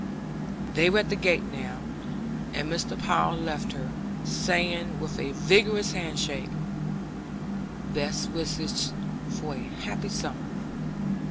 They were at the gate now, and Mr. Power left her, saying, with a vigorous hand shake: "Best wishes for a happy summer.